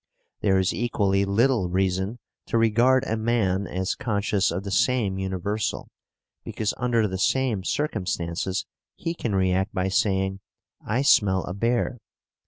There is equally little reason to regard a man as conscious of the same universal, because under the same circumstances he can react by saying, "I smell a bear."